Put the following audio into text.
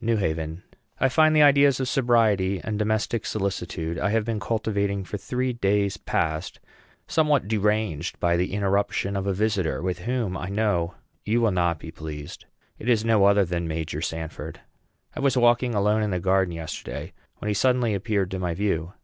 NEW HAVEN. I find the ideas of sobriety and domestic solitude I have been cultivating for three days past somewhat deranged by the interruption of a visitor, with whom I know you will not be pleased. It is no other than Major Sanford. I was walking alone in the garden yesterday, when he suddenly appeared to my view.